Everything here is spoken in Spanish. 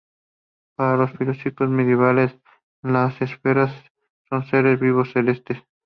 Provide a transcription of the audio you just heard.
Para los filósofos medievales las esferas son seres vivos celestes.